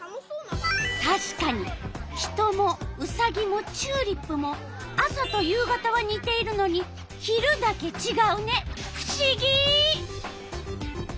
たしかに人もウサギもチューリップも朝と夕方はにているのに昼だけちがうね。